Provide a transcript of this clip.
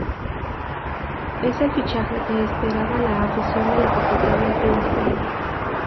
Es el fichaje que esperaba la afición de la capital del Principado.